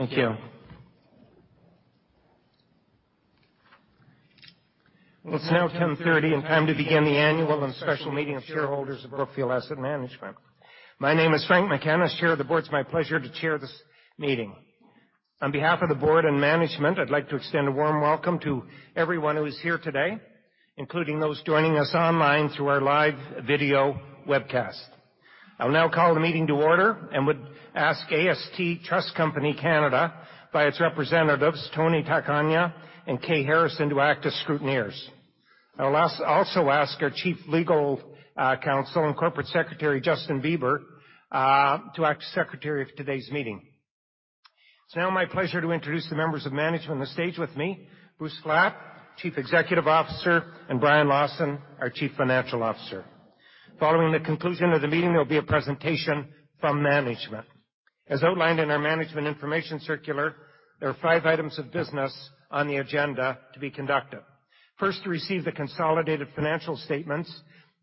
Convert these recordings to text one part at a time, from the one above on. Thank you. It's now 10:30 A.M. and time to begin the annual and special meeting of shareholders of Brookfield Asset Management. My name is Frank McKenna, Chair of the Board. It's my pleasure to chair this meeting. On behalf of the board and management, I'd like to extend a warm welcome to everyone who is here today, including those joining us online through our live video webcast. I will now call the meeting to order and would ask AST Trust Company (Canada) by its representatives, Tony Tacogna and Kay Harrison, to act as scrutineers. I will also ask our Chief Legal Counsel and Corporate Secretary, Justin Beber, to act as secretary of today's meeting. It's now my pleasure to introduce the members of management on the stage with me, Bruce Flatt, Chief Executive Officer, and Brian Lawson, our Chief Financial Officer. Following the conclusion of the meeting, there will be a presentation from management. As outlined in our management information circular, there are five items of business on the agenda to be conducted. First, to receive the consolidated financial statements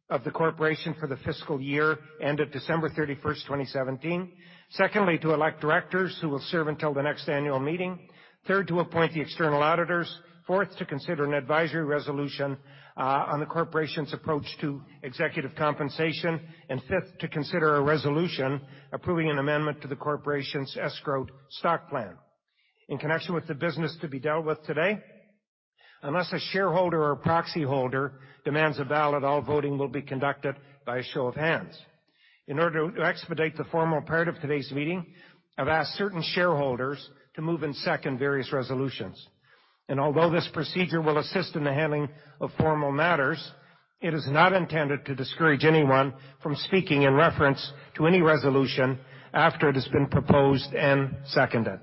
of the corporation for the fiscal year end of December 31st, 2017. Secondly, to elect directors who will serve until the next annual meeting. Third, to appoint the external auditors. Fourth, to consider an advisory resolution on the corporation's approach to executive compensation. Fifth, to consider a resolution approving an amendment to the corporation's escrowed stock plan. In connection with the business to be dealt with today, unless a shareholder or proxy holder demands a ballot, all voting will be conducted by a show of hands. In order to expedite the formal part of today's meeting, I've asked certain shareholders to move and second various resolutions. Although this procedure will assist in the handling of formal matters, it is not intended to discourage anyone from speaking in reference to any resolution after it has been proposed and seconded.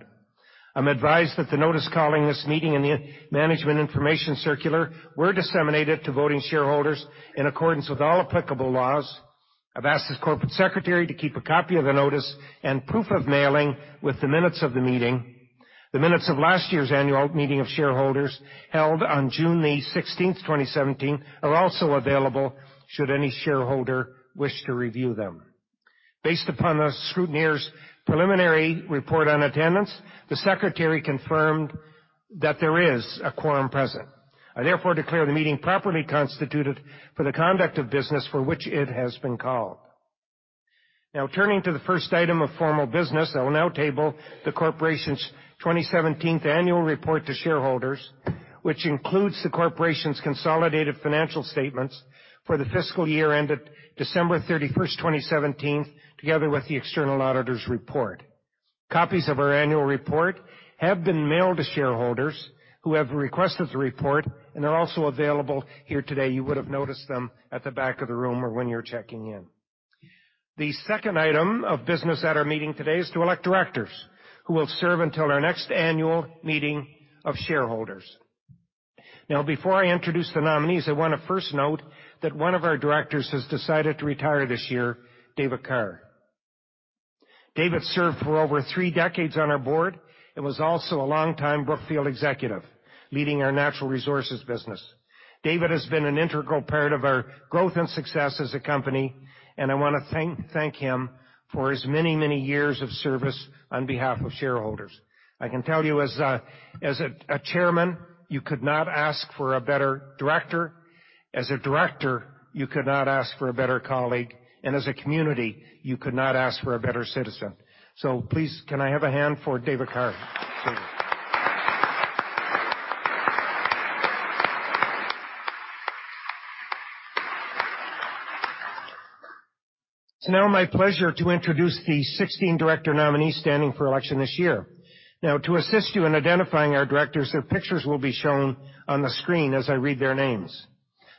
I'm advised that the notice calling this meeting and the management information circular were disseminated to voting shareholders in accordance with all applicable laws. I've asked the corporate secretary to keep a copy of the notice and proof of mailing with the minutes of the meeting. The minutes of last year's annual meeting of shareholders held on June the 16th, 2017, are also available should any shareholder wish to review them. Based upon the scrutineer's preliminary report on attendance, the secretary confirmed that there is a quorum present. I therefore declare the meeting properly constituted for the conduct of business for which it has been called. Turning to the first item of formal business, I will now table the corporation's 2017 annual report to shareholders, which includes the corporation's consolidated financial statements for the fiscal year ended December 31st, 2017, together with the external auditor's report. Copies of our annual report have been mailed to shareholders who have requested the report and are also available here today. You would have noticed them at the back of the room or when you were checking in. The second item of business at our meeting today is to elect directors who will serve until our next annual meeting of shareholders. Before I introduce the nominees, I want to first note that one of our directors has decided to retire this year, David Kerr. David served for over three decades on our board and was also a long-time Brookfield executive, leading our natural resources business. David has been an integral part of our growth and success as a company, I want to thank him for his many, many years of service on behalf of shareholders. I can tell you, as a Chairman, you could not ask for a better director; as a director, you could not ask for a better colleague; and as a community, you could not ask for a better citizen. Please, can I have a hand for David Kerr? It's now my pleasure to introduce the 16 director nominees standing for election this year. To assist you in identifying our directors, their pictures will be shown on the screen as I read their names.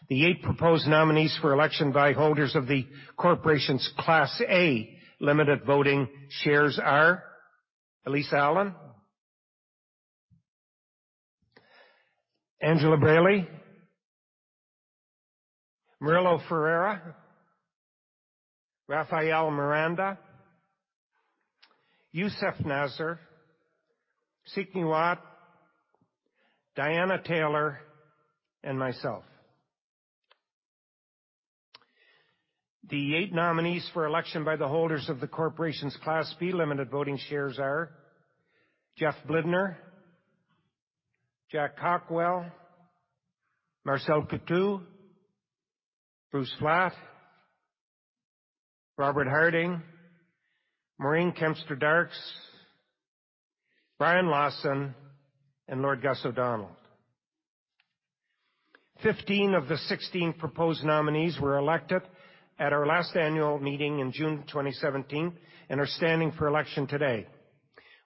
The eight proposed nominees for election by holders of the corporation's Class A limited voting shares are Elyse Allan, Angela Braly, Murilo Ferreira, Rafael Miranda, Youssef Nasr, Seek Ngee Huat, Diana Taylor, and myself. The eight nominees for election by the holders of the corporation's Class B limited voting shares are Jeff Blidner, Jack Cockwell, Marcel Coutu, Bruce Flatt, Robert Harding, Maureen Kempston Darkes, Brian Lawson, and Lord Gus O'Donnell. 15 of the 16 proposed nominees were elected at our last annual meeting in June 2017 and are standing for election today.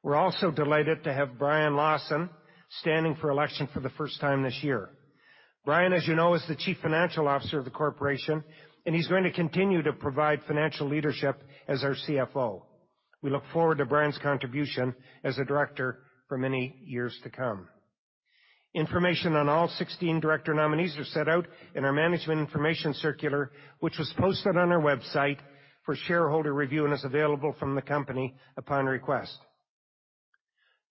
We're also delighted to have Brian Lawson standing for election for the first time this year. Brian, as you know, is the Chief Financial Officer of the corporation, and he's going to continue to provide financial leadership as our CFO. We look forward to Brian's contribution as a director for many years to come. Information on all 16 director nominees are set out in our management information circular, which was posted on our website for shareholder review and is available from the company upon request.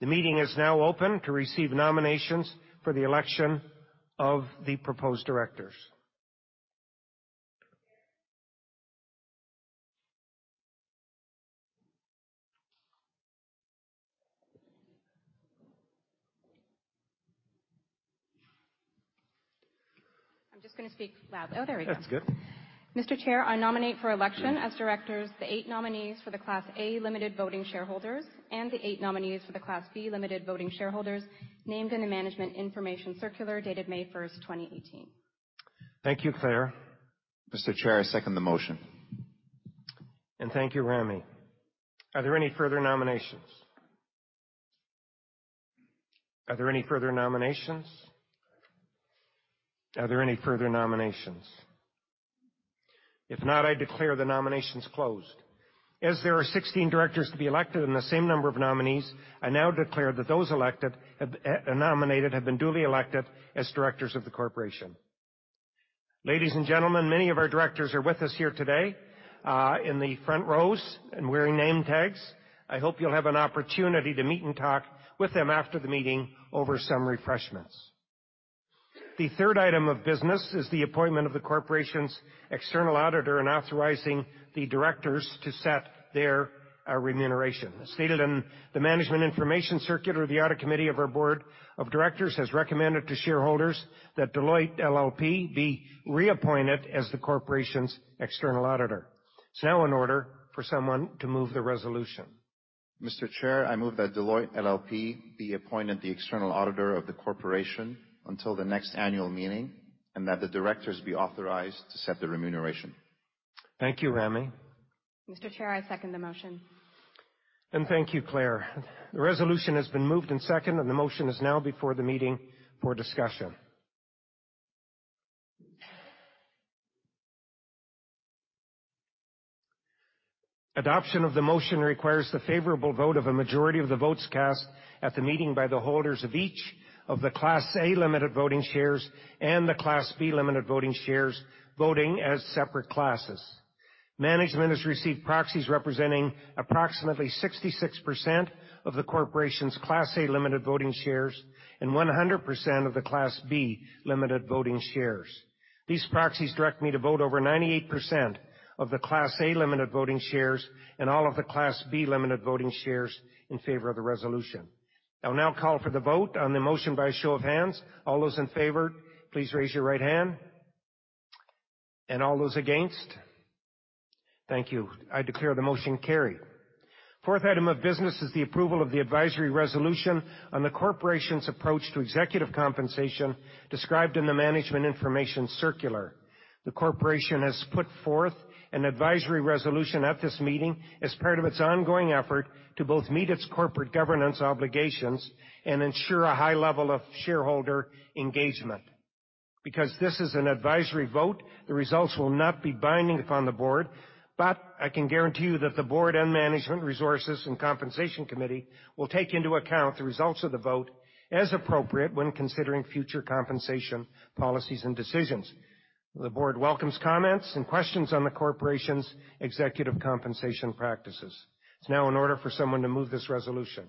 The meeting is now open to receive nominations for the election of the proposed directors. I'm just going to speak loud. Oh, there we go. That's good. Mr. Chair, I nominate for election as directors the eight nominees for the Class A limited voting shareholders and the eight nominees for the Class B limited voting shareholders named in the Management Information Circular, dated May 1st, 2018. Thank you, Claire. Mr. Chair, I second the motion. Thank you, Ramy. Are there any further nominations? Are there any further nominations? Are there any further nominations? If not, I declare the nominations closed. As there are 16 directors to be elected and the same number of nominees, I now declare that those nominated have been duly elected as directors of the corporation. Ladies and gentlemen, many of our directors are with us here today, in the front rows and wearing name tags. I hope you'll have an opportunity to meet and talk with them after the meeting over some refreshments. The third item of business is the appointment of the corporation's external auditor and authorizing the directors to set their remuneration. As stated in the Management Information Circular, the Audit Committee of our Board of Directors has recommended to shareholders that Deloitte LLP be reappointed as the corporation's external auditor. It's now in order for someone to move the resolution. Mr. Chair, I move that Deloitte LLP be appointed the external auditor of the corporation until the next annual meeting, and that the directors be authorized to set the remuneration. Thank you, Ramy. Mr. Chair, I second the motion. Thank you, Claire. The resolution has been moved and seconded, the motion is now before the meeting for discussion. Adoption of the motion requires the favorable vote of a majority of the votes cast at the meeting by the holders of each of the Class A limited voting shares and the Class B limited voting shares, voting as separate classes. Management has received proxies representing approximately 66% of the corporation's Class A limited voting shares and 100% of the Class B limited voting shares. These proxies direct me to vote over 98% of the Class A limited voting shares and all of the Class B limited voting shares in favor of the resolution. I will now call for the vote on the motion by a show of hands. All those in favor, please raise your right hand. All those against. Thank you. I declare the motion carried. Fourth item of business is the approval of the advisory resolution on the corporation's approach to executive compensation described in the Management Information Circular. The corporation has put forth an advisory resolution at this meeting as part of its ongoing effort to both meet its corporate governance obligations and ensure a high level of shareholder engagement. Because this is an advisory vote, the results will not be binding upon the board, but I can guarantee you that the board and Management Resources and Compensation Committee will take into account the results of the vote as appropriate when considering future compensation policies and decisions. The board welcomes comments and questions on the corporation's executive compensation practices. It's now in order for someone to move this resolution.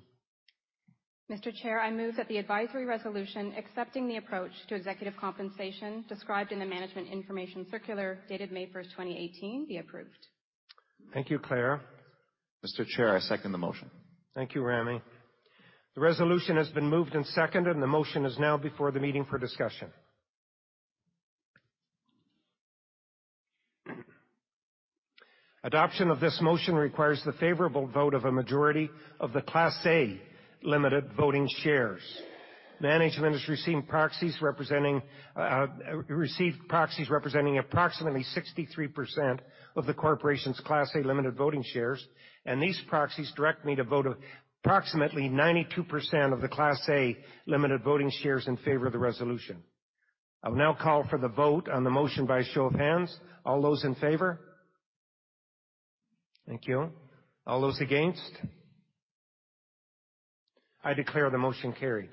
Mr. Chair, I move that the advisory resolution accepting the approach to executive compensation described in the Management Information Circular, dated May 1st, 2018, be approved. Thank you, Claire. Mr. Chair, I second the motion. Thank you, Ramy. The resolution has been moved and seconded, the motion is now before the meeting for discussion. Adoption of this motion requires the favorable vote of a majority of the Class A limited voting shares. Management has received proxies representing approximately 63% of the corporation's Class A limited voting shares, these proxies direct me to vote approximately 92% of the Class A limited voting shares in favor of the resolution. I will now call for the vote on the motion by show of hands. All those in favor. Thank you. All those against. I declare the motion carried.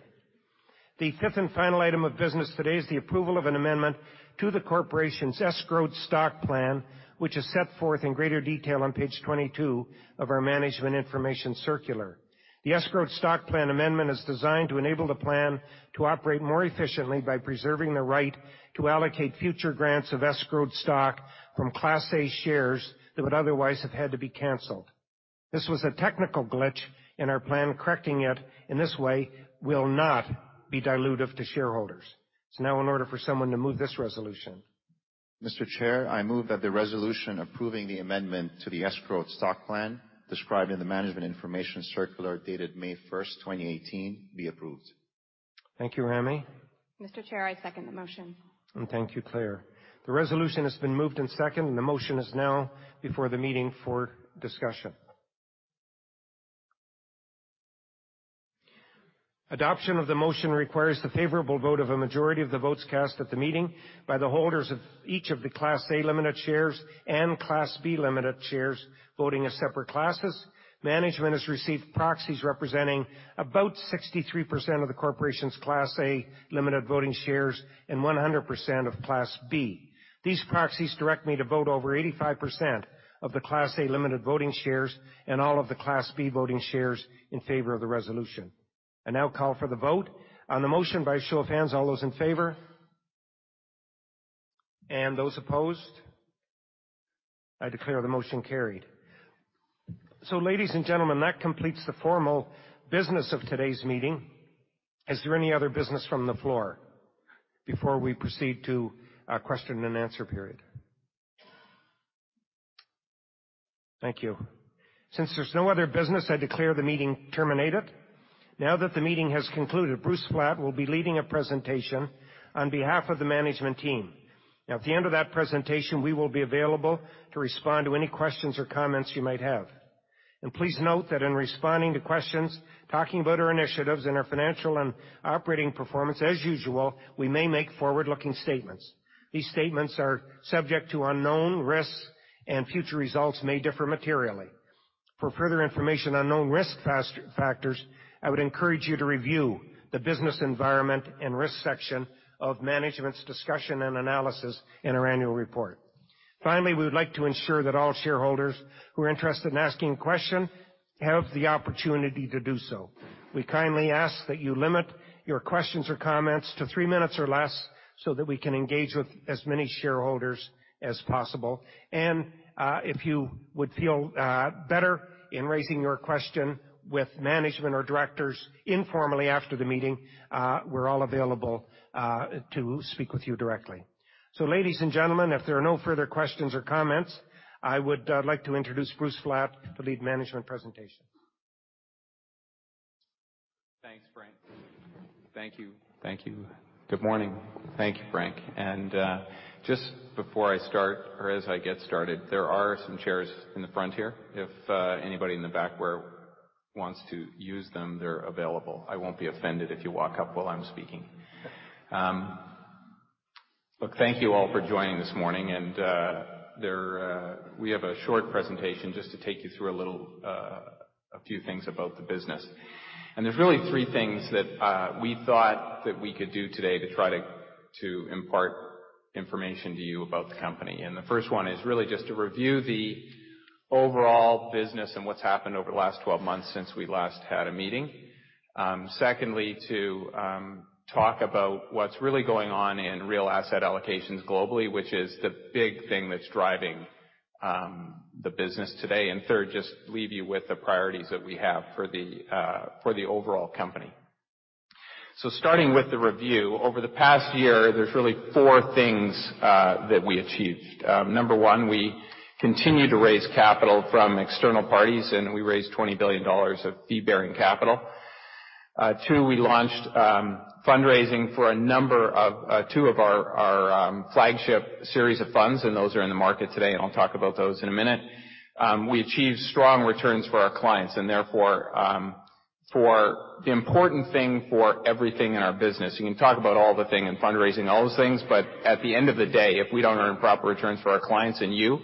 The fifth and final item of business today is the approval of an amendment to the corporation's escrowed stock plan, which is set forth in greater detail on page 22 of our Management Information Circular. The escrowed stock plan amendment is designed to enable the plan to operate more efficiently by preserving the right to allocate future grants of escrowed stock from Class A shares that would otherwise have had to be canceled. This was a technical glitch in our plan. Correcting it in this way will not be dilutive to shareholders. It's now in order for someone to move this resolution. Mr. Chair, I move that the resolution approving the amendment to the escrowed stock plan described in the Management Information Circular, dated May 1st, 2018, be approved. Thank you, Ramy. Mr. Chair, I second the motion. Thank you, Claire. The resolution has been moved and seconded, and the motion is now before the meeting for discussion. Adoption of the motion requires the favorable vote of a majority of the votes cast at the meeting by the holders of each of the Class A limited shares and Class B limited shares, voting as separate classes. Management has received proxies representing about 63% of the corporation's Class A limited voting shares and 100% of Class B. These proxies direct me to vote over 85% of the Class A limited voting shares and all of the Class B voting shares in favor of the resolution. I now call for the vote on the motion by a show of hands. All those in favor. Those opposed? I declare the motion carried. Ladies and gentlemen, that completes the formal business of today's meeting. Is there any other business from the floor before we proceed to a question and answer period? Thank you. Since there's no other business, I declare the meeting terminated. That the meeting has concluded, Bruce Flatt will be leading a presentation on behalf of the management team. At the end of that presentation, we will be available to respond to any questions or comments you might have. Please note that in responding to questions, talking about our initiatives and our financial and operating performance, as usual, we may make forward-looking statements. These statements are subject to unknown risks, and future results may differ materially. For further information on known risk factors, I would encourage you to review the business environment and risk section of management's discussion and analysis in our annual report. Finally, we would like to ensure that all shareholders who are interested in asking a question have the opportunity to do so. We kindly ask that you limit your questions or comments to three minutes or less so that we can engage with as many shareholders as possible. If you would feel better in raising your question with management or directors informally after the meeting, we're all available to speak with you directly. Ladies and gentlemen, if there are no further questions or comments, I would like to introduce Bruce Flatt to lead management presentation. Thanks, Frank. Thank you. Good morning. Thank you, Frank. Just before I start or as I get started, there are some chairs in the front here. If anybody in the back wants to use them, they're available. I won't be offended if you walk up while I'm speaking. Thank you all for joining this morning, and we have a short presentation just to take you through a few things about the business. There's really three things that we thought that we could do today to try to impart information to you about the company. The first one is really just to review the overall business and what's happened over the last 12 months since we last had a meeting. Secondly, to talk about what's really going on in real asset allocations globally, which is the big thing that's driving the business today. Third, just leave you with the priorities that we have for the overall company. Starting with the review. Over the past year, there's really four things that we achieved. Number one, we continued to raise capital from external parties, and we raised $20 billion of fee-bearing capital. Two, we launched fundraising for two of our flagship series of funds, and those are in the market today, and I'll talk about those in a minute. We achieved strong returns for our clients and therefore, the important thing for everything in our business. You can talk about all the things in fundraising, all those things, but at the end of the day, if we don't earn proper returns for our clients and you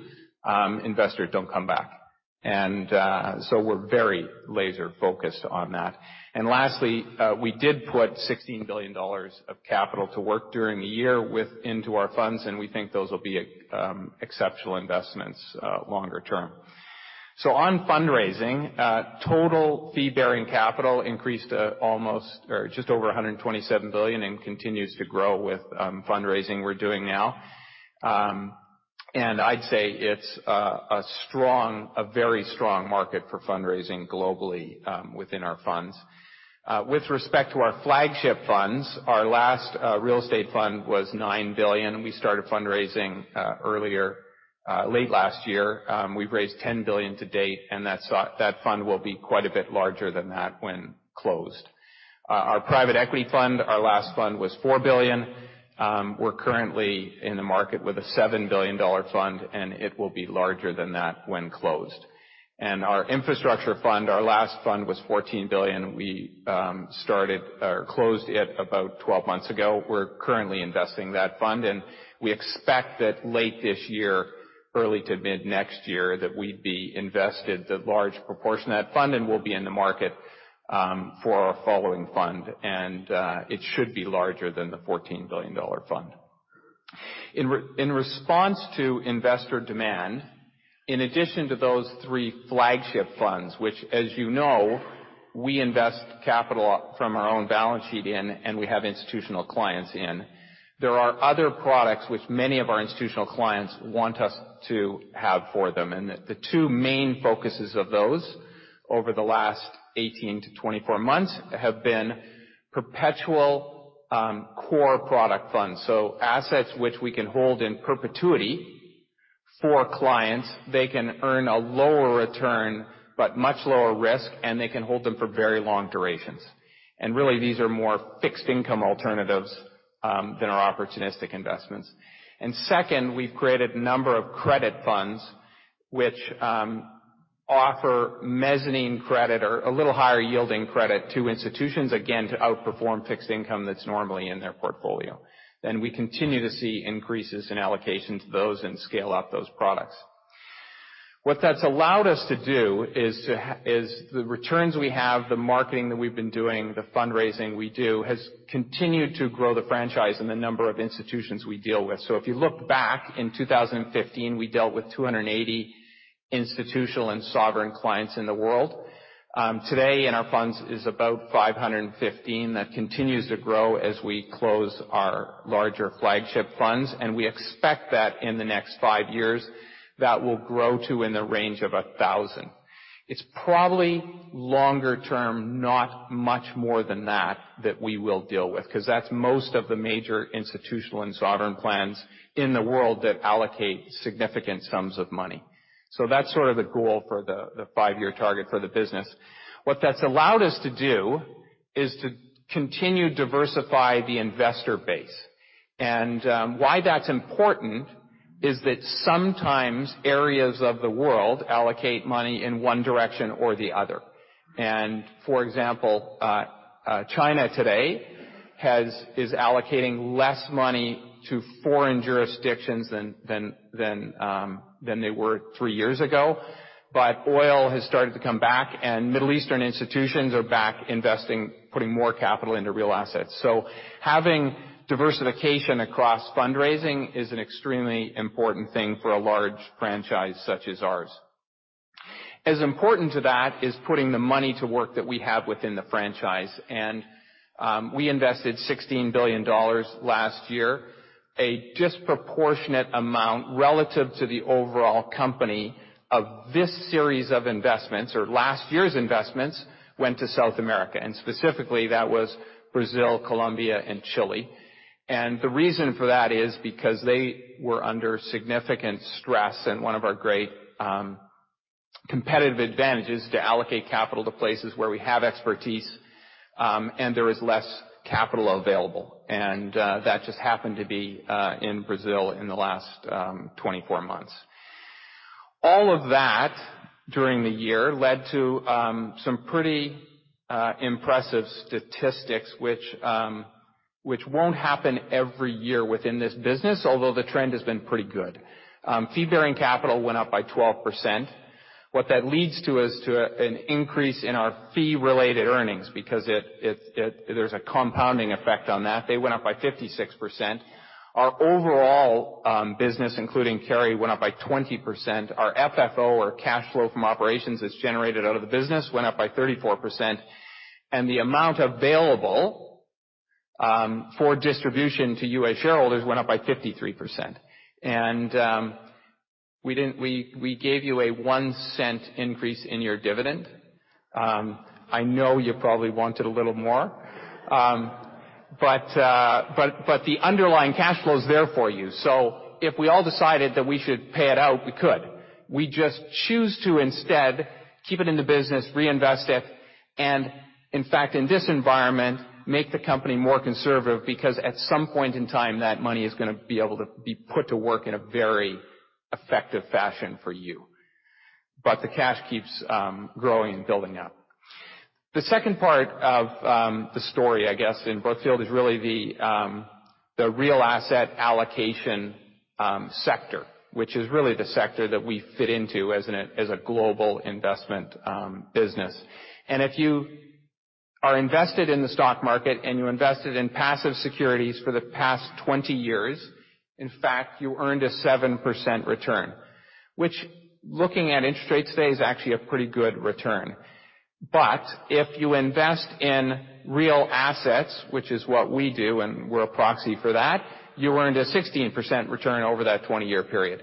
investors don't come back. So we're very laser-focused on that. Lastly, we did put $16 billion of capital to work during the year into our funds. We think those will be exceptional investments longer term. On fundraising, total fee-bearing capital increased to just over $127 billion and continues to grow with fundraising we're doing now. I'd say it's a very strong market for fundraising globally within our funds. With respect to our flagship funds, our last real estate fund was $9 billion. We started fundraising late last year. We've raised $10 billion to date, and that fund will be quite a bit larger than that when closed. Our private equity fund, our last fund was $4 billion. We're currently in the market with a $7 billion fund, and it will be larger than that when closed. Our infrastructure fund, our last fund was $14 billion. We closed it about 12 months ago. We're currently investing that fund. We expect that late this year, early to mid next year, that we'd be invested the large proportion of that fund and will be in the market for our following fund. It should be larger than the $14 billion fund. In response to investor demand, in addition to those three flagship funds, which as you know, we invest capital from our own balance sheet in, and we have institutional clients in. There are other products which many of our institutional clients want us to have for them, and the two main focuses of those over the last 18 to 24 months have been perpetual core product funds. Assets which we can hold in perpetuity for clients. They can earn a lower return, but much lower risk, and they can hold them for very long durations. Really, these are more fixed income alternatives than our opportunistic investments. Second, we've created a number of credit funds which offer mezzanine credit or a little higher yielding credit to institutions, again, to outperform fixed income that's normally in their portfolio. We continue to see increases in allocations to those and scale out those products. What that's allowed us to do is the returns we have, the marketing that we've been doing, the fundraising we do has continued to grow the franchise and the number of institutions we deal with. If you look back in 2015, we dealt with 280 institutional and sovereign clients in the world. Today, in our funds is about 515. That continues to grow as we close our larger flagship funds, and we expect that in the next five years, that will grow to in the range of 1,000. It's probably longer term, not much more than that that we will deal with, because that's most of the major institutional and sovereign clients in the world that allocate significant sums of money. That's sort of the goal for the five-year target for the business. What that's allowed us to do is to continue diversify the investor base. Why that's important is that sometimes areas of the world allocate money in one direction or the other. For example, China today is allocating less money to foreign jurisdictions than they were three years ago. Oil has started to come back and Middle Eastern institutions are back investing, putting more capital into real assets. Having diversification across fundraising is an extremely important thing for a large franchise such as ours. As important to that is putting the money to work that we have within the franchise. We invested $16 billion last year. A disproportionate amount relative to the overall company of this series of investments or last year's investments went to South America, and specifically that was Brazil, Colombia, and Chile. The reason for that is because they were under significant stress, and one of our great competitive advantages to allocate capital to places where we have expertise, and there is less capital available. That just happened to be in Brazil in the last 24 months. All of that during the year led to some pretty impressive statistics which won't happen every year within this business, although the trend has been pretty good. Fee-bearing capital went up by 12%. What that leads to is to an increase in our fee-related earnings because there's a compounding effect on that. They went up by 56%. Our overall business, including carry, went up by 20%. Our FFO or cash flow from operations as generated out of the business went up by 34%. The amount available for distribution to you as shareholders went up by 53%. We gave you a $0.01 increase in your dividend. I know you probably wanted a little more. The underlying cash flow is there for you. If we all decided that we should pay it out, we could. We just choose to instead keep it in the business, reinvest it, and in fact, in this environment, make the company more conservative, because at some point in time, that money is going to be able to be put to work in a very effective fashion for you. The cash keeps growing and building up. The second part of the story, I guess, in Brookfield is really the real asset allocation sector, which is really the sector that we fit into as a global investment business. If you are invested in the stock market and you invested in passive securities for the past 20 years, in fact, you earned a 7% return. Which looking at interest rates today is actually a pretty good return. If you invest in real assets, which is what we do, and we're a proxy for that, you earned a 16% return over that 20-year period.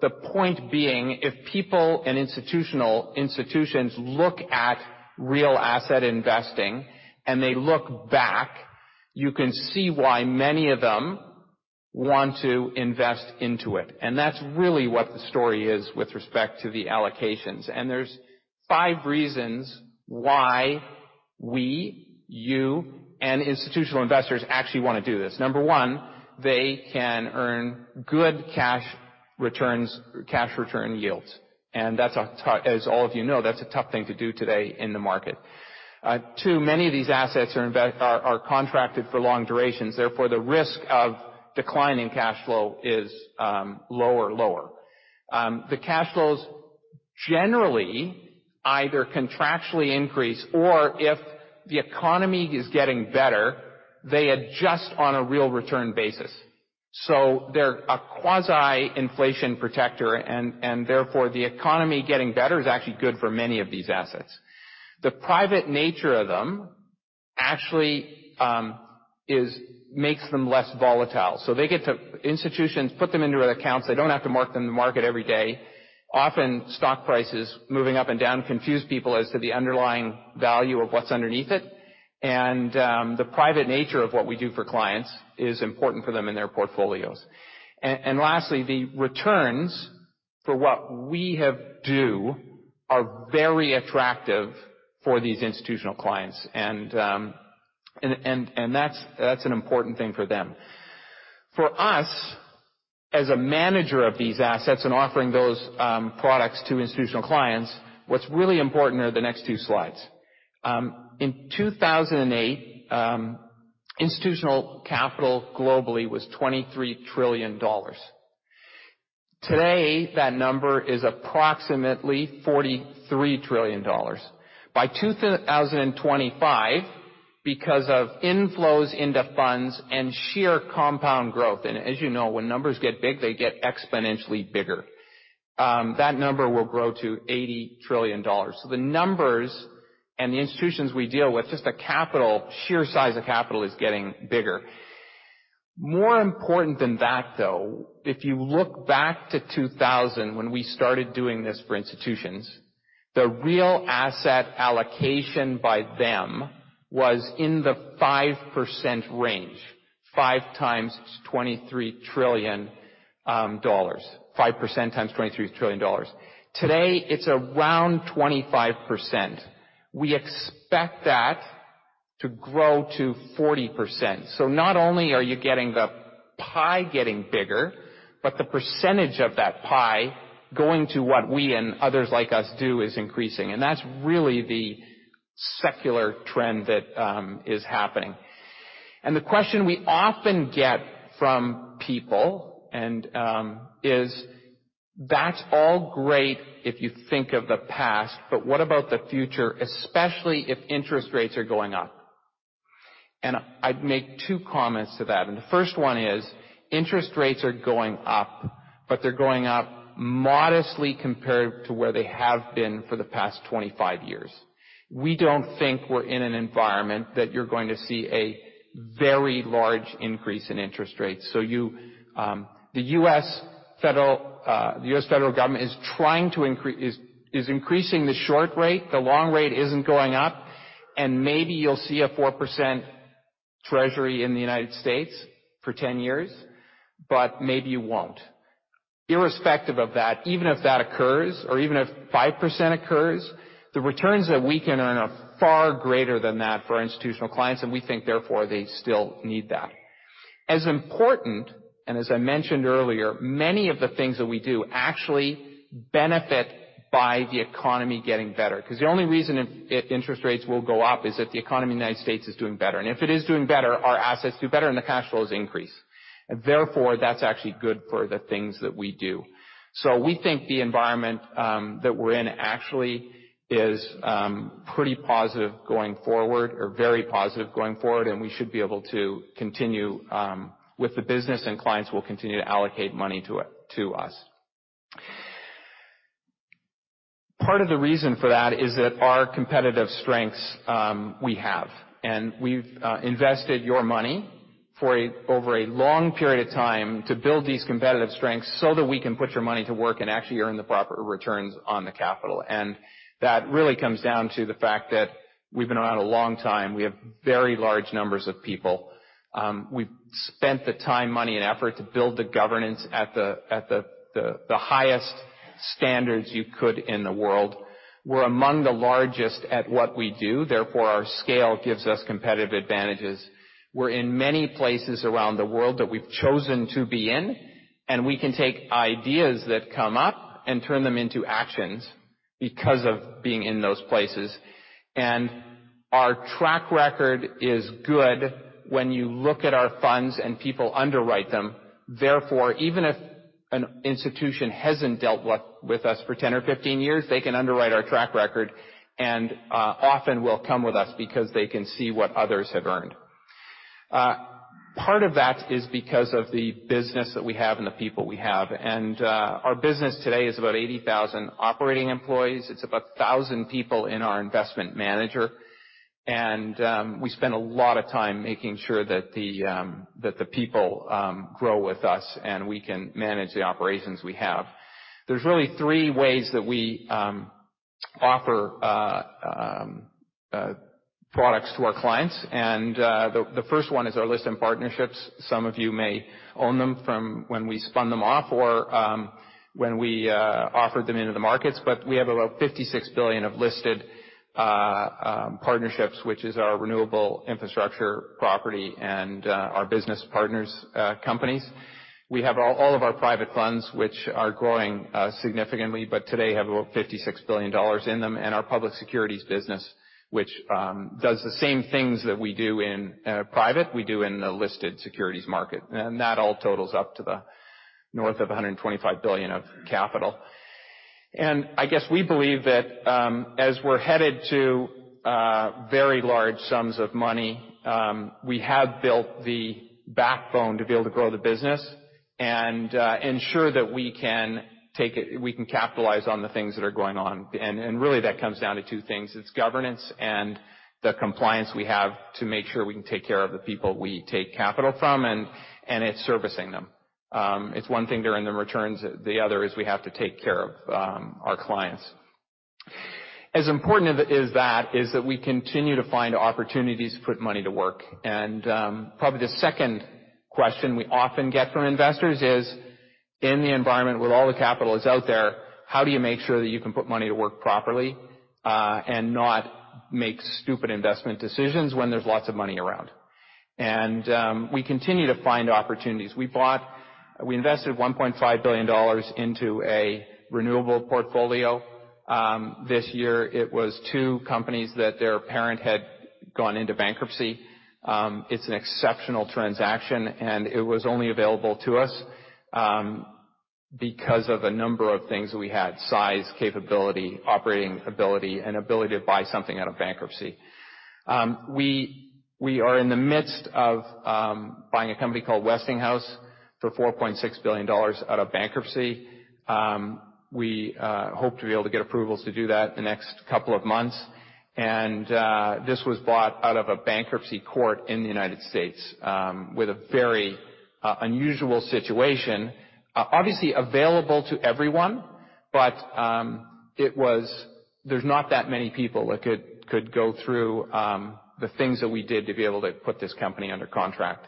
The point being, if people and institutions look at real asset investing and they look back, you can see why many of them want to invest into it. That's really what the story is with respect to the allocations. There's five reasons why we, you, and institutional investors actually want to do this. Number one, they can earn good cash return yields. As all of you know, that's a tough thing to do today in the market. Two, many of these assets are contracted for long durations, therefore, the risk of declining cash flow is lower. The cash flows generally either contractually increase or if the economy is getting better, they adjust on a real return basis. They're a quasi inflation protector and therefore the economy getting better is actually good for many of these assets. The private nature of them actually makes them less volatile. Institutions put them into accounts. They don't have to mark them to market every day. Often, stock prices moving up and down confuse people as to the underlying value of what's underneath it. The private nature of what we do for clients is important for them in their portfolios. Lastly, the returns for what we do are very attractive for these institutional clients. That's an important thing for them. For us, as a manager of these assets and offering those products to institutional clients, what's really important are the next two slides. In 2008, institutional capital globally was $23 trillion. Today, that number is approximately $43 trillion. By 2025, because of inflows into funds and sheer compound growth. As you know, when numbers get big, they get exponentially bigger. That number will grow to $80 trillion. The numbers and the institutions we deal with, just the sheer size of capital is getting bigger. More important than that, though, if you look back to 2000, when we started doing this for institutions, the real asset allocation by them was in the 5% range, 5% times $23 trillion. Today, it's around 25%. We expect that to grow to 40%. Not only are you getting the pie getting bigger, but the percentage of that pie going to what we and others like us do is increasing. That's really the secular trend that is happening. The question we often get from people is, "That's all great if you think of the past, but what about the future, especially if interest rates are going up?" I'd make two comments to that. The first one is, interest rates are going up, but they're going up modestly compared to where they have been for the past 25 years. We don't think we're in an environment that you're going to see a very large increase in interest rates. The U.S. federal government is increasing the short rate. The long rate isn't going up, and maybe you'll see a 4% treasury in the United States for 10 years, but maybe you won't. Irrespective of that, even if that occurs, or even if 5% occurs, the returns that we can earn are far greater than that for our institutional clients, and we think therefore they still need that. As important, as I mentioned earlier, many of the things that we do actually benefit by the economy getting better. The only reason interest rates will go up is if the economy in the United States is doing better. If it is doing better, our assets do better and the cash flows increase. Therefore, that's actually good for the things that we do. We think the environment that we're in actually is pretty positive going forward or very positive going forward, and we should be able to continue with the business and clients will continue to allocate money to us. Part of the reason for that is that our competitive strengths we have. We've invested your money over a long period of time to build these competitive strengths so that we can put your money to work and actually earn the proper returns on the capital. That really comes down to the fact that we've been around a long time. We have very large numbers of people. We've spent the time, money, and effort to build the governance at the highest standards you could in the world. We're among the largest at what we do, therefore our scale gives us competitive advantages. We're in many places around the world that we've chosen to be in, we can take ideas that come up and turn them into actions because of being in those places. Our track record is good when you look at our funds and people underwrite them. Therefore, even if an institution hasn't dealt with us for 10 or 15 years, they can underwrite our track record, and often will come with us because they can see what others have earned. Part of that is because of the business that we have and the people we have. Our business today is about 80,000 operating employees. It's about 1,000 people in our investment manager. We spend a lot of time making sure that the people grow with us and we can manage the operations we have. There's really three ways that we offer products to our clients. The first one is our listed partnerships. Some of you may own them from when we spun them off or when we offered them into the markets, but we have about $56 billion of listed partnerships, which is our renewable infrastructure property and our business partners' companies. We have all of our private funds, which are growing significantly, but today have about $56 billion in them, and our public securities business, which does the same things that we do in private, we do in the listed securities market. That all totals up to the north of $125 billion of capital. I guess we believe that as we're headed to very large sums of money, we have built the backbone to be able to grow the business and ensure that we can capitalize on the things that are going on. Really that comes down to two things. It's governance and the compliance we have to make sure we can take care of the people we take capital from, and it's servicing them. It's one thing to earn the returns. The other is we have to take care of our clients. As important as that is that we continue to find opportunities to put money to work. Probably the second question we often get from investors is, "In the environment with all the capital that's out there, how do you make sure that you can put money to work properly, and not make stupid investment decisions when there's lots of money around?" We continue to find opportunities. We invested $1.5 billion into a renewable portfolio. This year, it was two companies that their parent had gone into bankruptcy. It's an exceptional transaction, and it was only available to us. Because of a number of things that we had: size, capability, operating ability, and ability to buy something out of bankruptcy. We are in the midst of buying a company called Westinghouse for $4.6 billion out of bankruptcy. We hope to be able to get approvals to do that the next couple of months. This was bought out of a bankruptcy court in the U.S., with a very unusual situation. Obviously, available to everyone, there's not that many people that could go through the things that we did to be able to put this company under contract.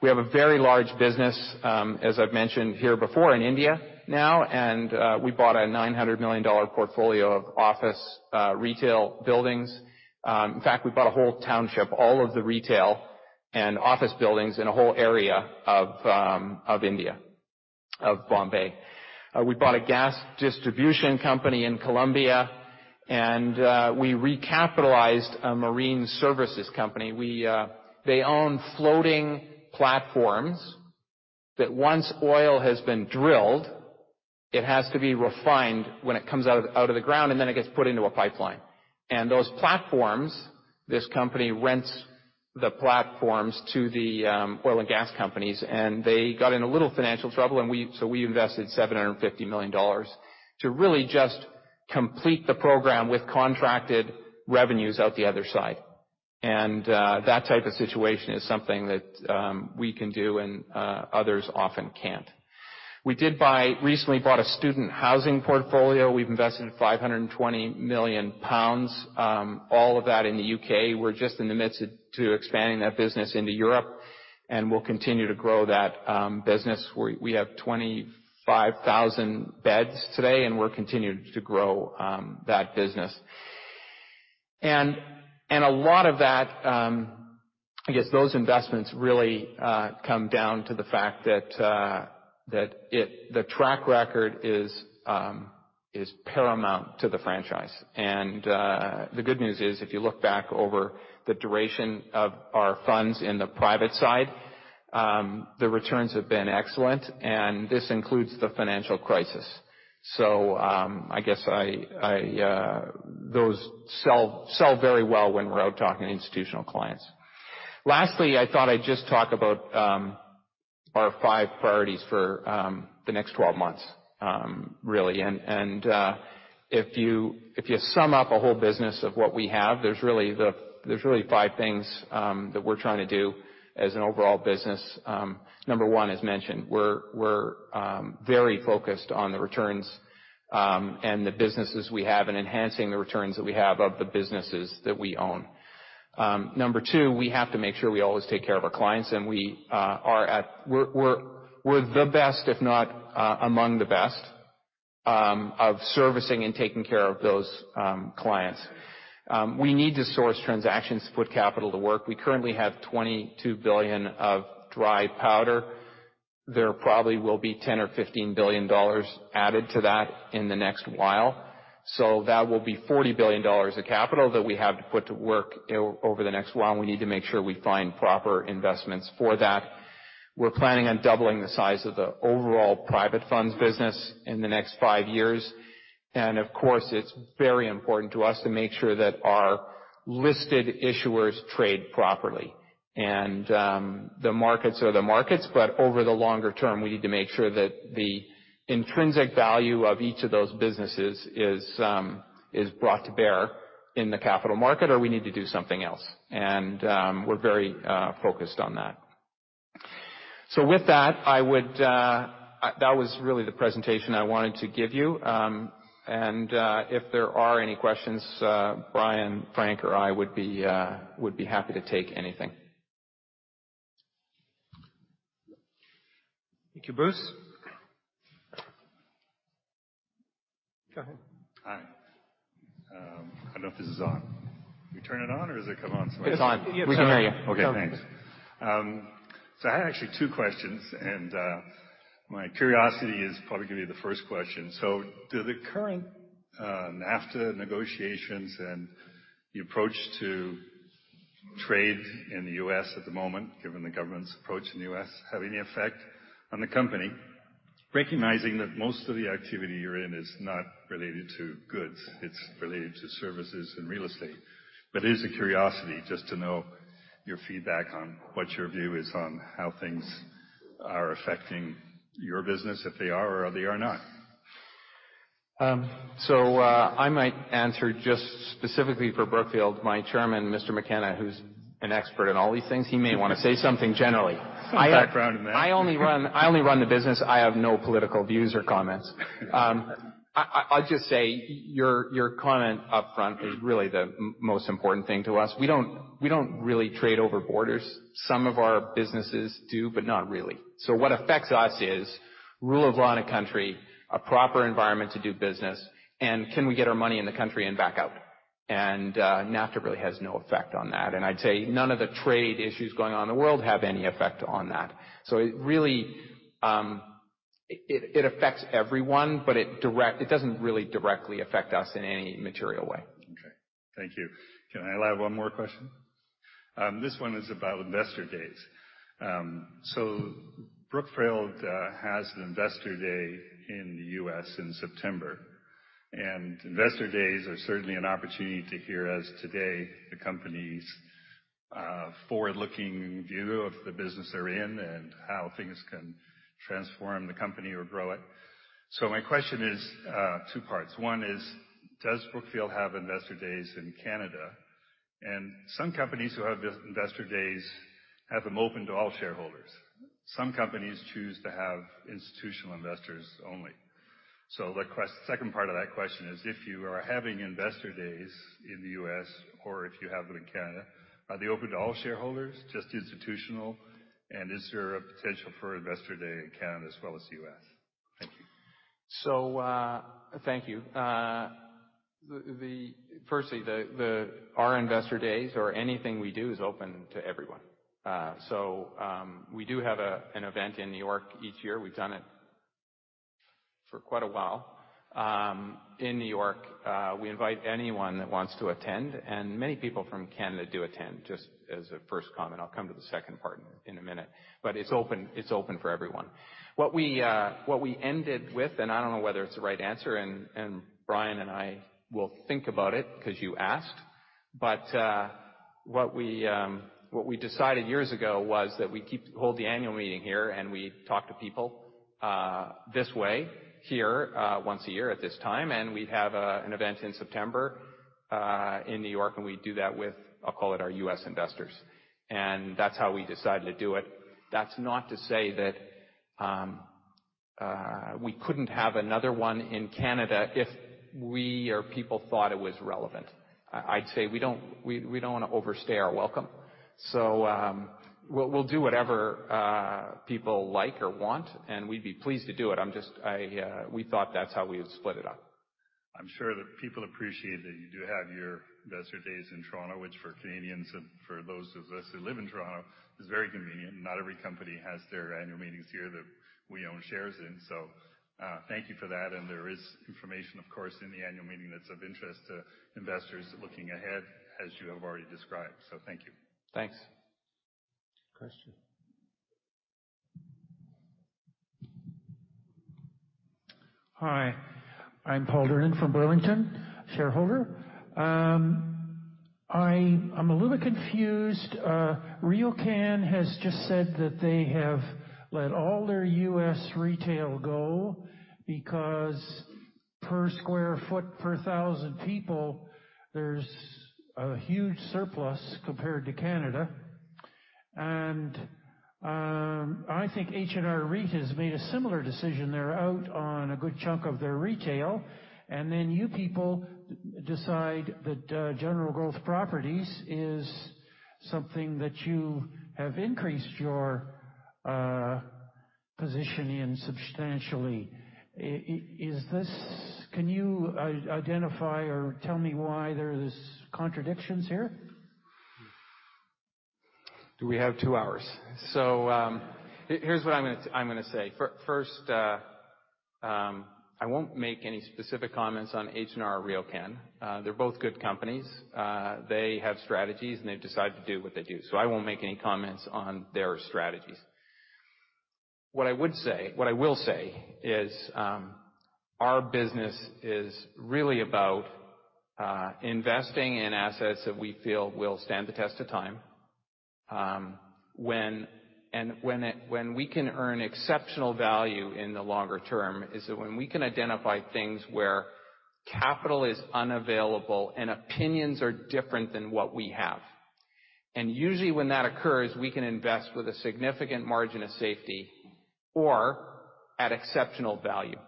We have a very large business, as I've mentioned here before, in India now. We bought a $900 million portfolio of office retail buildings. In fact, we bought a whole township, all of the retail and office buildings in a whole area of India, of Bombay. We bought a gas distribution company in Colombia. We recapitalized a marine services company. They own floating platforms that once oil has been drilled, it has to be refined when it comes out of the ground, then it gets put into a pipeline. Those platforms, this company rents the platforms to the oil and gas companies. They got in a little financial trouble, so we invested $750 million to really just complete the program with contracted revenues out the other side. That type of situation is something that we can do and others often can't. We recently bought a student housing portfolio. We've invested 520 million pounds, all of that in the U.K. We're just in the midst to expanding that business into Europe. We'll continue to grow that business. We have 25,000 beds today. We're continuing to grow that business. A lot of that, I guess those investments really come down to the fact that the track record is paramount to the franchise. The good news is, if you look back over the duration of our funds in the private side, the returns have been excellent, and this includes the financial crisis. I guess those sell very well when we're out talking to institutional clients. Lastly, I thought I'd just talk about our five priorities for the next 12 months, really. If you sum up a whole business of what we have, there's really five things that we're trying to do as an overall business. Number one, as mentioned, we're very focused on the returns and the businesses we have and enhancing the returns that we have of the businesses that we own. Number two, we have to make sure we always take care of our clients, and we're the best, if not among the best, of servicing and taking care of those clients. We need to source transactions to put capital to work. We currently have $22 billion of dry powder. There probably will be $10 billion or $15 billion added to that in the next while. That will be $40 billion of capital that we have to put to work over the next while. We need to make sure we find proper investments for that. We're planning on doubling the size of the overall private funds business in the next five years. Of course, it's very important to us to make sure that our listed issuers trade properly. The markets are the markets, but over the longer term, we need to make sure that the intrinsic value of each of those businesses is brought to bear in the capital market, or we need to do something else. We're very focused on that. With that was really the presentation I wanted to give you. If there are any questions, Brian, Frank, or I would be happy to take anything. Thank you, Bruce. Go ahead. Hi. I don't know if this is on. You turn it on, or does it come on somehow? It's on. We can hear you. Okay, thanks. I had actually two questions, and my curiosity is probably going to be the first question. Do the current NAFTA negotiations and the approach to trade in the U.S. at the moment, given the government's approach in the U.S., have any effect on the company? Recognizing that most of the activity you're in is not related to goods, it's related to services and real estate. It is a curiosity just to know your feedback on what your view is on how things are affecting your business, if they are or they are not. I might answer just specifically for Brookfield. My Chairman, Mr. McKenna, who's an expert in all these things, he may want to say something generally. Some background in that. I only run the business. I have no political views or comments. I'll just say your comment up front is really the most important thing to us. We don't really trade over borders. Some of our businesses do, but not really. What affects us is rule of law in a country, a proper environment to do business, and can we get our money in the country and back out. NAFTA really has no effect on that. I'd say none of the trade issues going on in the world have any effect on that. It affects everyone, but it doesn't really directly affect us in any material way. Okay. Thank you. Can I have one more question? This one is about investor days. Brookfield has an investor day in the U.S. in September. Investor days are certainly an opportunity to hear, as today, the company's forward-looking view of the business they're in and how things can transform the company or grow it. My question is two parts. One is, does Brookfield have investor days in Canada? Some companies who have investor days have them open to all shareholders. Some companies choose to have institutional investors only. The second part of that question is, if you are having investor days in the U.S. or if you have them in Canada, are they open to all shareholders, just institutional? Is there a potential for investor day in Canada as well as the U.S.? Thank you. Thank you. Firstly, our investor days or anything we do is open to everyone. We do have an event in New York each year. We've done it for quite a while. In New York, we invite anyone that wants to attend, and many people from Canada do attend. Just as a first comment. I'll come to the second part in a minute. It's open for everyone. What we ended with, and I don't know whether it's the right answer, Brian and I will think about it because you asked, but what we decided years ago was that we hold the annual meeting here, and we talk to people this way here once a year at this time. We have an event in September in New York, and we do that with, I'll call it our U.S. investors. That's how we decided to do it. That's not to say that we couldn't have another one in Canada if we or people thought it was relevant. I'd say we don't want to overstay our welcome. We'll do whatever people like or want, and we'd be pleased to do it. We thought that's how we would split it up. I'm sure that people appreciate that you do have your investor days in Toronto, which for Canadians and for those of us who live in Toronto, is very convenient. Not every company has their annual meetings here that we own shares in. Thank you for that. There is information, of course, in the annual meeting that's of interest to investors looking ahead, as you have already described. Thank you. Thanks. Question. Hi, I'm Paul Durin from Burlington, shareholder. I'm a little confused. RioCan has just said that they have let all their U.S. retail go because per square foot, per 1,000 people, there's a huge surplus compared to Canada. I think H&R REIT has made a similar decision. They're out on a good chunk of their retail. Then you people decide that General Growth Properties is something that you have increased your position in substantially. Can you identify or tell me why there are these contradictions here? Do we have two hours? Here's what I'm going to say. First, I won't make any specific comments on H&R or RioCan. They're both good companies. They have strategies, and they've decided to do what they do. I won't make any comments on their strategies. What I will say is our business is really about investing in assets that we feel will stand the test of time. When we can earn exceptional value in the longer term is when we can identify things where capital is unavailable and opinions are different than what we have. Usually when that occurs, we can invest with a significant margin of safety or at exceptional value.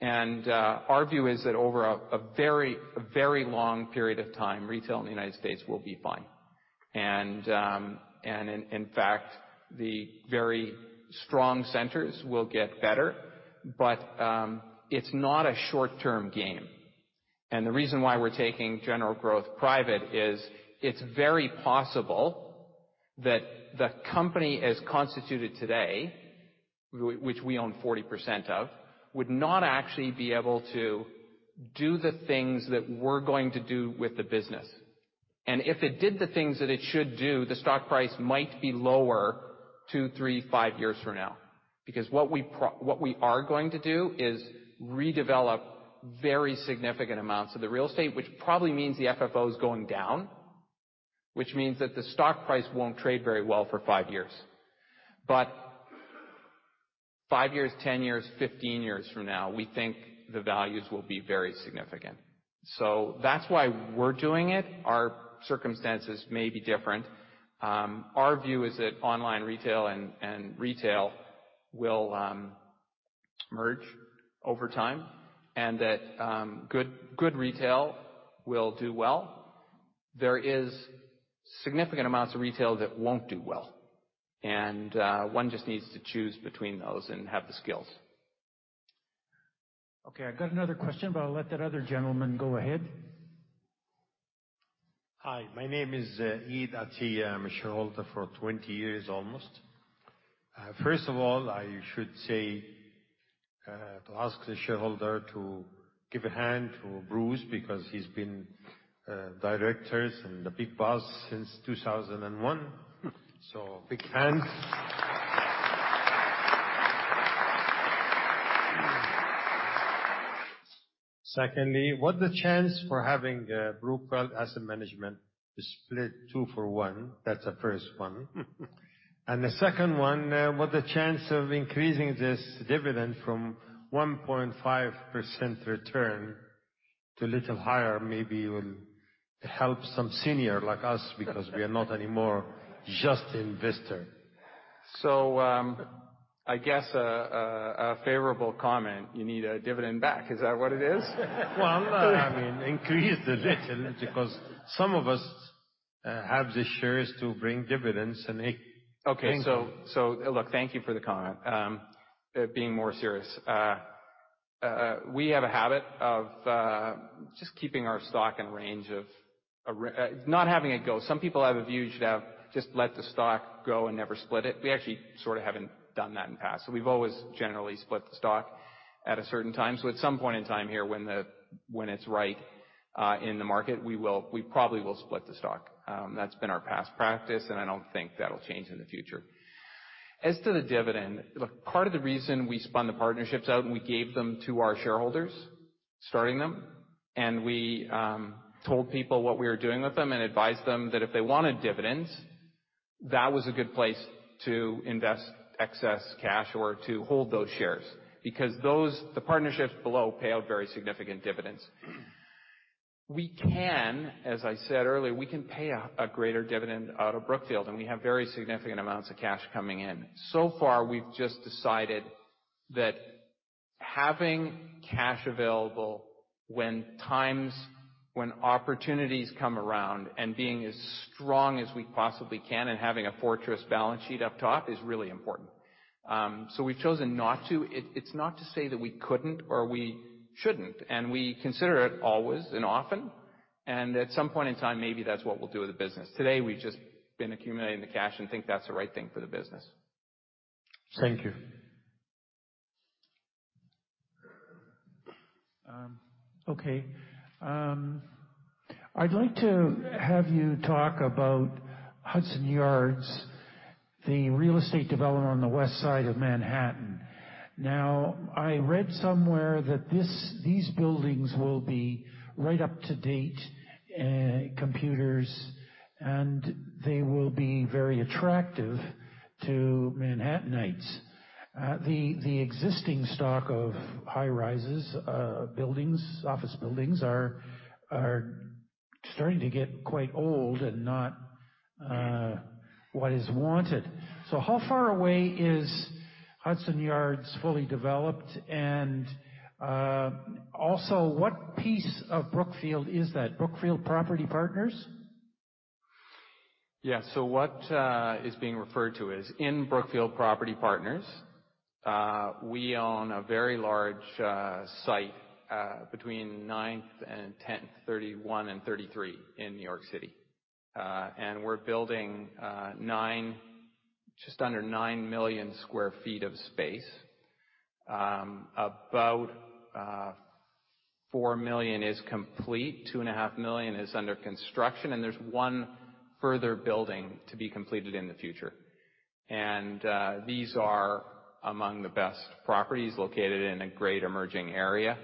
Our view is that over a very long period of time, retail in the U.S. will be fine. In fact, the very strong centers will get better. It's not a short-term game. The reason why we're taking General Growth private is it's very possible that the company, as constituted today, which we own 40% of, would not actually be able to do the things that we're going to do with the business. If it did the things that it should do, the stock price might be lower two, three, five years from now. Because what we are going to do is redevelop very significant amounts of the real estate, which probably means the FFO is going down, which means that the stock price won't trade very well for five years. Five years, 10 years, 15 years from now, we think the values will be very significant. That's why we're doing it. Our circumstances may be different. Our view is that online retail and retail will merge over time and that good retail will do well. There is significant amounts of retail that won't do well, and one just needs to choose between those and have the skills. Okay, I've got another question, but I'll let that other gentleman go ahead. Hi, my name is Eid Atia. I'm a shareholder for 20 years almost. First of all, I should say to ask the shareholder to give a hand to Bruce, because he's been directors and the big boss since 2001. Big hand. Secondly, what's the chance for having Brookfield Asset Management split 2 for 1? That's the first one. The second one, what the chance of increasing this dividend from 1.5% return to little higher? Maybe it will help some senior like us, because we are not anymore just investor. I guess a favorable comment. You need a dividend back. Is that what it is? Well, no. Increase the dividend because some of us have the shares to bring dividends and income. Okay. Look, thank you for the comment. Being more serious. We have a habit of just keeping our stock in range of Not having it go. Some people have a view you should have just let the stock go and never split it. We actually sort of haven't done that in the past. We've always generally split the stock at a certain time. At some point in time here when it's right, in the market, we probably will split the stock. That's been our past practice, and I don't think that'll change in the future. As to the dividend, look, part of the reason we spun the partnerships out. We gave them to our shareholders, starting them. We told people what we were doing with them and advised them that if they wanted dividends, that was a good place to invest excess cash or to hold those shares because the partnerships below pay out very significant dividends. We can, as I said earlier, we can pay a greater dividend out of Brookfield. We have very significant amounts of cash coming in. Far, we've just decided that having cash available when opportunities come around and being as strong as we possibly can and having a fortress balance sheet up top is really important. We've chosen not to. It's not to say that we couldn't or we shouldn't. We consider it always and often. At some point in time, maybe that's what we'll do with the business. Today, we've just been accumulating the cash and think that's the right thing for the business. Thank you. Okay. I'd like to have you talk about Hudson Yards, the real estate development on the West Side of Manhattan. I read somewhere that these buildings will be right up to date, computers, and they will be very attractive to Manhattanites. The existing stock of high-rise buildings, office buildings, are starting to get quite old and not what is wanted. How far away is Hudson Yards fully developed? Also, what piece of Brookfield is that? Brookfield Property Partners? Yeah. What is being referred to is in Brookfield Property Partners. We own a very large site, between Ninth and Tenth, 31 and 33 in New York City. We're building just under 9 million sq ft of space. About 4 million is complete, 2.5 million is under construction, and there's one further building to be completed in the future. These are among the best properties located in a great emerging area.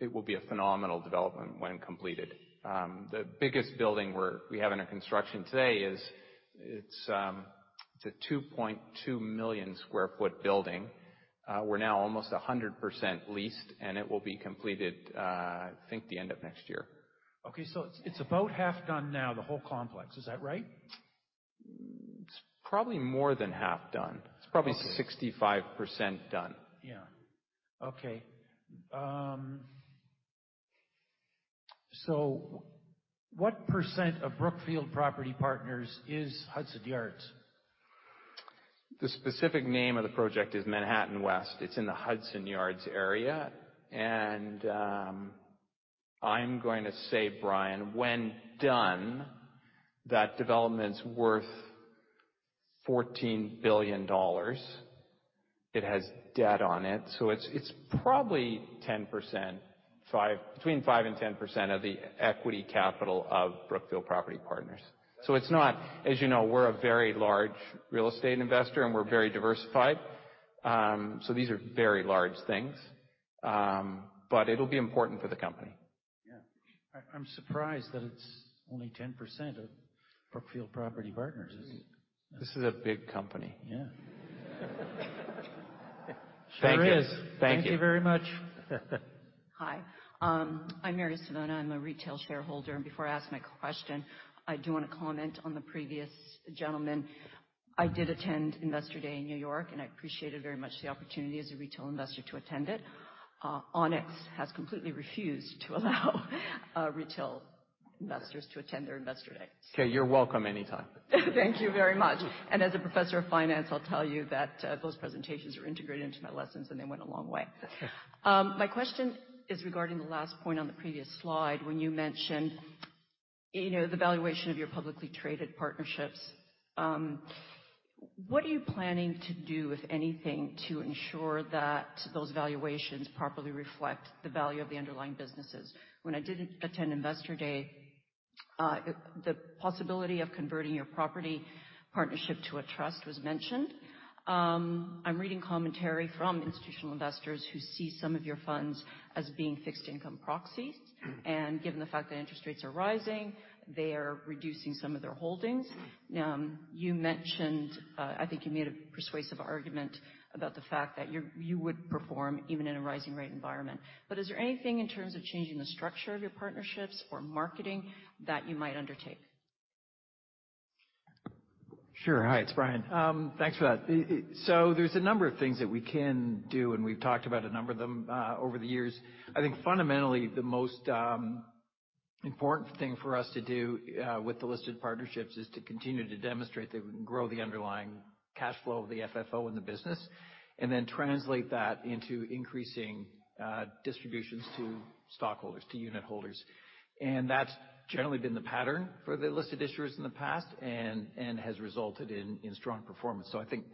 It will be a phenomenal development when completed. The biggest building we have under construction today is a 2.2 million sq ft building. We're now almost 100% leased, and it will be completed, I think, the end of next year. Okay. It's about half done now, the whole complex. Is that right? It's probably more than half done. Okay. It's probably 65% done. Yeah. Okay. What % of Brookfield Property Partners is Hudson Yards? The specific name of the project is Manhattan West. It's in the Hudson Yards area. I'm going to say, Brian, when done, that development's worth $14 billion. It has debt on it, so it's probably 10%, between 5% and 10% of the equity capital of Brookfield Property Partners. As you know, we're a very large real estate investor, and we're very diversified. These are very large things. It'll be important for the company. Yeah. I'm surprised that it's only 10% of Brookfield Property Partners. This is a big company. Yeah. Thank you. Sure is. Thank you. Thank you very much. Hi. I'm Mary Savona. I'm a retail shareholder. Before I ask my question, I do want to comment on the previous gentleman. I did attend Investor Day in New York, and I appreciated very much the opportunity as a retail investor to attend it. Onex has completely refused to allow retail investors to attend their Investor Day. Okay. You're welcome anytime. Thank you very much. As a professor of finance, I'll tell you that those presentations are integrated into my lessons, and they went a long way. My question is regarding the last point on the previous slide when you mentioned the valuation of your publicly traded partnerships. What are you planning to do, if anything, to ensure that those valuations properly reflect the value of the underlying businesses? When I did attend Investor Day, the possibility of converting your property partnership to a trust was mentioned. I'm reading commentary from institutional investors who see some of your funds as being fixed income proxies. Given the fact that interest rates are rising, they are reducing some of their holdings. You mentioned, I think you made a persuasive argument about the fact that you would perform even in a rising rate environment. Is there anything in terms of changing the structure of your partnerships or marketing that you might undertake? Sure. Hi, it's Brian. Thanks for that. There's a number of things that we can do, and we've talked about a number of them over the years. I think fundamentally, the most important thing for us to do, with the listed partnerships, is to continue to demonstrate that we can grow the underlying cash flow of the FFO in the business, and then translate that into increasing distributions to stockholders, to unit holders. That's generally been the pattern for the listed issuers in the past and has resulted in strong performance. I think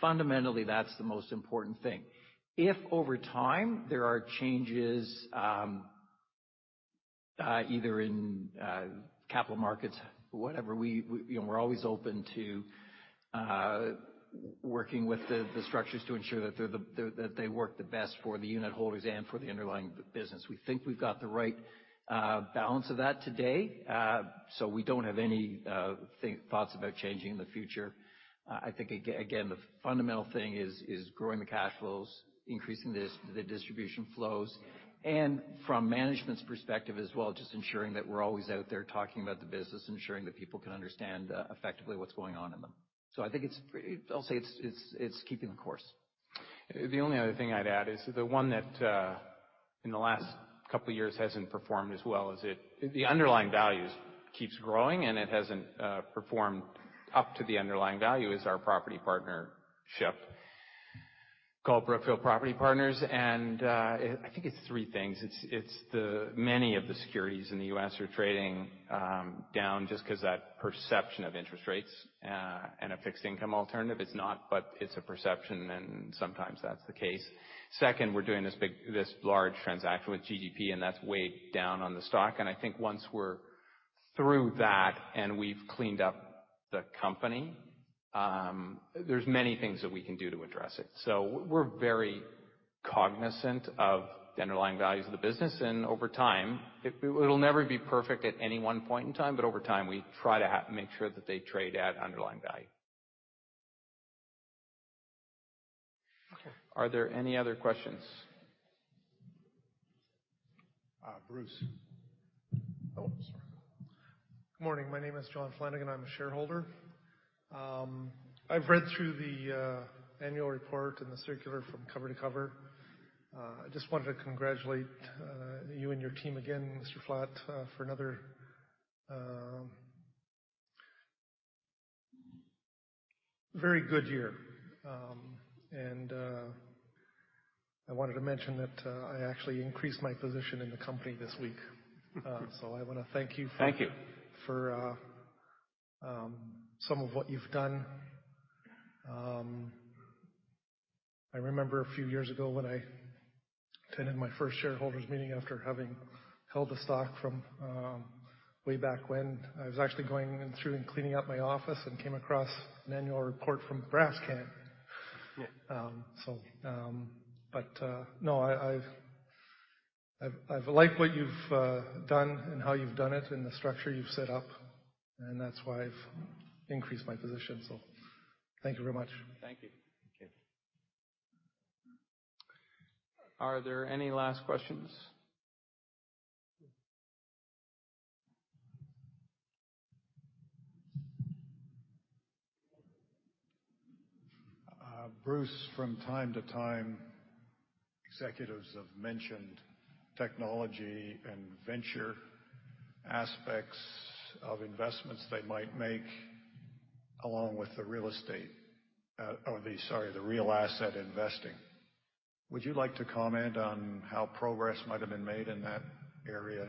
fundamentally, that's the most important thing. If over time there are changes, either in capital markets, whatever, we're always open to working with the structures to ensure that they work the best for the unit holders and for the underlying business. We think we've got the right balance of that today. We don't have any thoughts about changing in the future. I think, again, the fundamental thing is growing the cash flows, increasing the distribution flows, and from management's perspective as well, just ensuring that we're always out there talking about the business, ensuring that people can understand, effectively what's going on in them. I think it's, I'll say it's keeping the course. The only other thing I'd add is the one that in the last couple of years hasn't performed as well is the underlying values keeps growing, and it hasn't performed up to the underlying value is our property partnership called Brookfield Property Partners. I think it's three things. It's the many of the securities in the U.S. are trading down just because that perception of interest rates and a fixed income alternative. It's not, but it's a perception, and sometimes that's the case. Second, we're doing this large transaction with GGP, and that's weighed down on the stock. I think once we're through that and we've cleaned up the company, there's many things that we can do to address it. We're very cognizant of the underlying values of the business, and over time, it'll never be perfect at any one point in time, but over time, we try to make sure that they trade at underlying value. Okay. Are there any other questions? Bruce. Oh, sorry. Good morning. My name is John Flanagan. I'm a shareholder. I've read through the annual report and the circular from cover to cover. I just wanted to congratulate you and your team again, Mr. Flatt, for another very good year. I wanted to mention that I actually increased my position in the company this week. I want to thank you for- Thank you for some of what you've done. I remember a few years ago when I attended my first shareholders' meeting after having held the stock from way back when. I was actually going in through and cleaning out my office and came across an annual report from Brascan. Yeah. No, I've liked what you've done and how you've done it and the structure you've set up, and that's why I've increased my position. Thank you very much. Thank you. Are there any last questions? Bruce, from time to time, executives have mentioned technology and venture aspects of investments they might make along with the real estate, or the, sorry, the real asset investing. Would you like to comment on how progress might have been made in that area?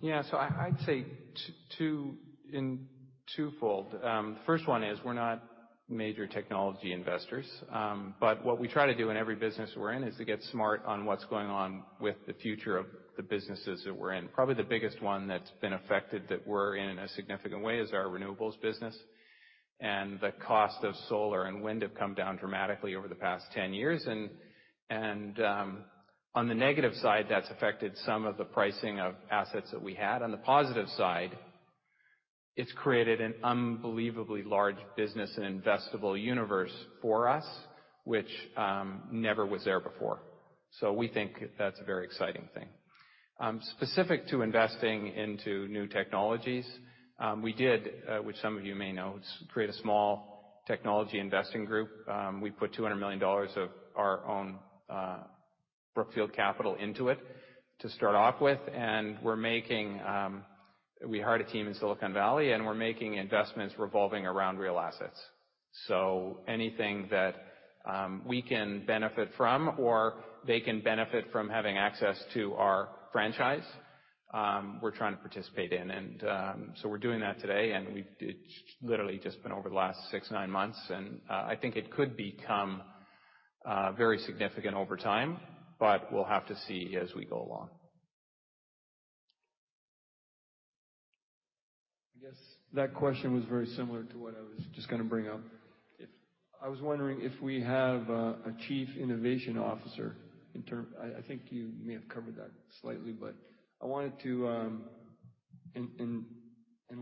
Yeah. I'd say twofold. First one is, we're not major technology investors. What we try to do in every business we're in is to get smart on what's going on with the future of the businesses that we're in. Probably the biggest one that's been affected that we're in in a significant way is our renewables business. The cost of solar and wind have come down dramatically over the past 10 years. On the negative side, that's affected some of the pricing of assets that we had. On the positive side, it's created an unbelievably large business and investable universe for us, which never was there before. We think that's a very exciting thing. Specific to investing into new technologies, we did, which some of you may know, create a small technology investing group. We put $200 million of our own Brookfield capital into it to start off with. We hired a team in Silicon Valley, and we're making investments revolving around real assets. Anything that we can benefit from or they can benefit from having access to our franchise. We're trying to participate in. We're doing that today, and it's literally just been over the last six, nine months. I think it could become very significant over time, but we'll have to see as we go along. I guess that question was very similar to what I was just going to bring up. I was wondering if we have a chief innovation officer. I think you may have covered that slightly, but in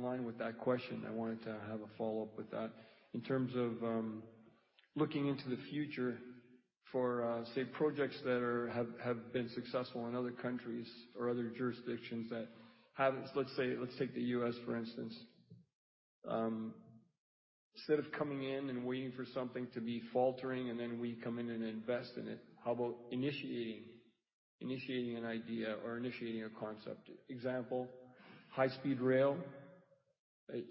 line with that question, I wanted to have a follow-up with that. In terms of looking into the future for, say, projects that have been successful in other countries or other jurisdictions that have, let's take the U.S., for instance. Instead of coming in and waiting for something to be faltering, and then we come in and invest in it, how about initiating an idea or initiating a concept? Example, high-speed rail. It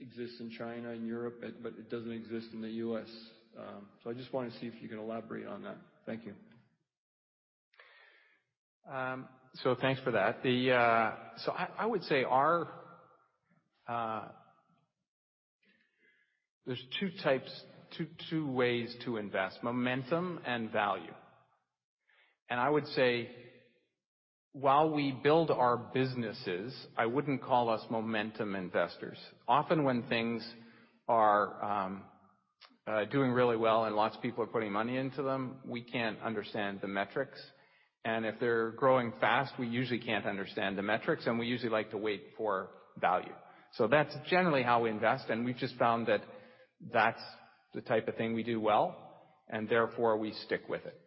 exists in China and Europe, but it doesn't exist in the U.S. I just want to see if you can elaborate on that. Thank you. Thanks for that. I would say there's two ways to invest, momentum and value. I would say while we build our businesses, I wouldn't call us momentum investors. Often when things are doing really well and lots of people are putting money into them, we can't understand the metrics. If they're growing fast, we usually can't understand the metrics, and we usually like to wait for value. That's generally how we invest, and we've just found that that's the type of thing we do well, and therefore we stick with it.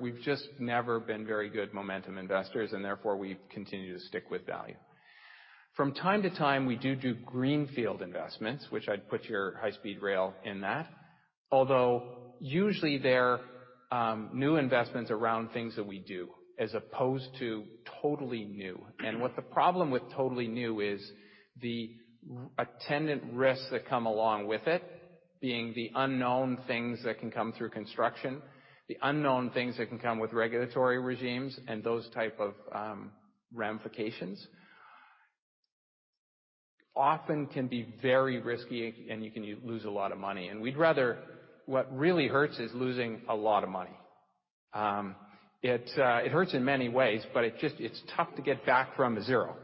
We've just never been very good momentum investors, and therefore we continue to stick with value. From time to time, we do Greenfield investments, which I'd put your high-speed rail in that. Although, usually they're new investments around things that we do, as opposed to totally new. What the problem with totally new is the attendant risks that come along with it being the unknown things that can come through construction, the unknown things that can come with regulatory regimes, and those type of ramifications often can be very risky and you can lose a lot of money. What really hurts is losing a lot of money. It hurts in many ways, but it's tough to get back from zero,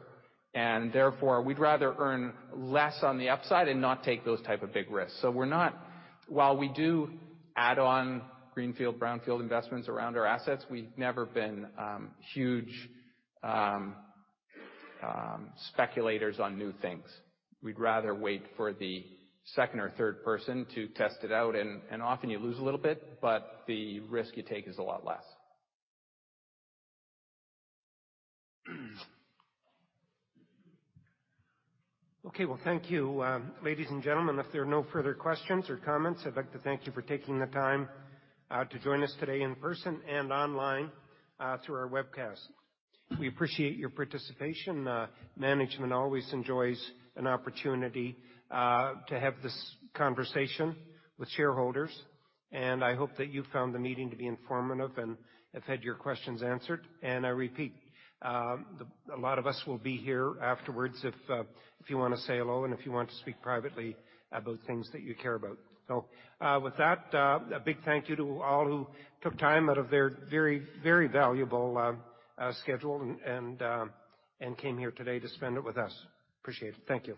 and therefore we'd rather earn less on the upside and not take those type of big risks. While we do add on Greenfield, Brownfield investments around our assets, we've never been huge speculators on new things. We'd rather wait for the second or third person to test it out, and often you lose a little bit, but the risk you take is a lot less. Okay, well, thank you. Ladies and gentlemen, if there are no further questions or comments, I'd like to thank you for taking the time to join us today in person and online through our webcast. We appreciate your participation. Management always enjoys an opportunity to have this conversation with shareholders, and I hope that you found the meeting to be informative and have had your questions answered. I repeat, a lot of us will be here afterwards if you want to say hello, and if you want to speak privately about things that you care about. With that, a big thank you to all who took time out of their very valuable schedule and came here today to spend it with us. Appreciate it. Thank you.